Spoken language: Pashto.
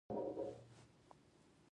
سېلاب د نظم کاڼی بلل شوی دی.